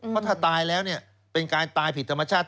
เพราะถ้าตายแล้วเป็นการตายผิดธรรมชาติ